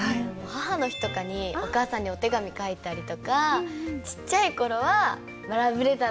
母の日とかにお母さんにお手紙書いたりとかちっちゃい頃はラブレターとか書いたり。